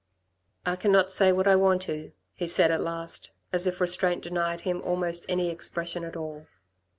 "I cannot say what I want to," he said at last, as if restraint denied him almost any expression at all.